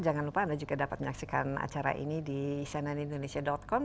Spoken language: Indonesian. jangan lupa anda juga dapat menyaksikan acara ini di cnnindonesia com